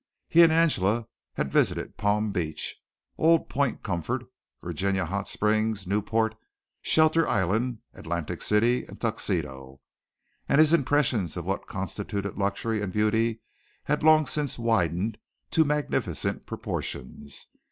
He and Angela had visited Palm Beach, Old Point Comfort, Virginia Hot Springs, Newport, Shelter Island, Atlantic City, and Tuxedo, and his impressions of what constituted luxury and beauty had long since widened to magnificent proportions.